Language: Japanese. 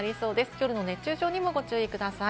夜の熱中症にもご注意ください。